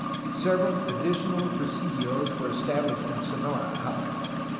Several additional pre sidios were established in Sonora, however.